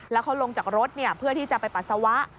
แล้วเขาลงจากรถเพื่อที่จะไปปัสสาวะ